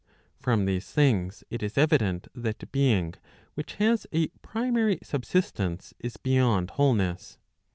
From these things, it is evident that being which has a primary sub¬ sistence is beyond wholeness.